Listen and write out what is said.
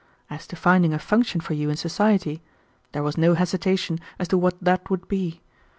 As to finding a function for you in society, there was no hesitation as to what that would be.